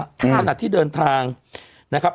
แม่แล้วถ้าหนักที่เดินทางนะครับ